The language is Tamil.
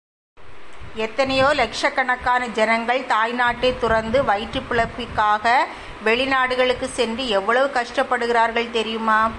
எத்தனையோ லக்ஷக்கணக்கான ஜனங்கள் தாய் நாட்டைத் துறந்து வயிற்றுப் பிழைப்புக்காக வெளி நாடுகளுக்குச் சென்று எவ்வளவு கஷ்டப்படுகிறார்கள் தெரியுமா?